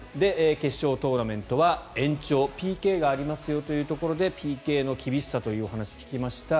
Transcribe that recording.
決勝トーナメントは延長ＰＫがありますよというところでＰＫの厳しさというお話を聞きました。